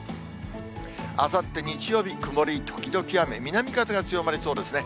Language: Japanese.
あさって日曜日、曇り時々雨、南風が強まりそうですね。